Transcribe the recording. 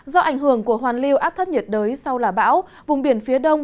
do ảnh hưởng của hoàn lưu áp thấp nhiệt đới sau là bão vùng biển phía đông